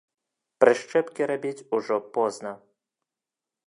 Прышчэпкі рабіць ужо позна.